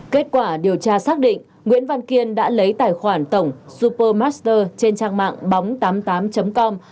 kết quả điều tra xác định nguyễn văn kiên đã lấy tài khoản tổng super master trên trang mạng bóng tám mươi tám com